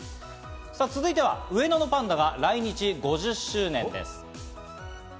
続いては上野のパンダが来日５０周年です。